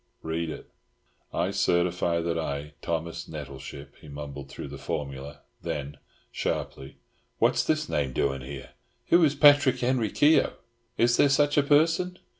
"Read it." "I certify that I, Thomas Nettleship," he mumbled through the formula, then, sharply "What's this name doing here? Who is Patrick Henry Keogh? Is there such a person?"